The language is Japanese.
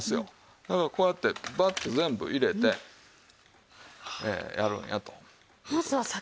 だからこうやってバッと全部入れてやるんやという事ですね。